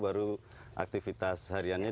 baru aktivitas hariannya